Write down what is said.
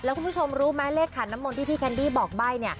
คุณผู้ชมรู้ไหมเลขขันน้ำมนที่พี่แคนดี้บอกใบ้